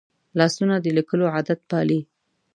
لاسونه د لیکلو عادت پالي